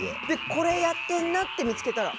これ、やってんなって見つけたら。